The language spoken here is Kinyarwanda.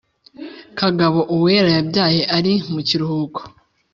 kagabo: uwera yabyaye, ari mu kiruhuko.